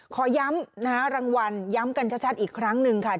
ขอย้ำนะฮะรางวัลย้ำกันชัดอีกครั้งหนึ่งค่ะ